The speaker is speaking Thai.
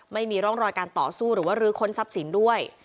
ไม่มีร่องรอยการต่อสู้หรือว่ารื้อค้นทรัพย์สินด้วย